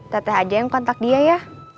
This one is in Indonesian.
teteh aja yang kontak dia ya